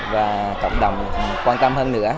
và cộng đồng quan tâm hơn nữa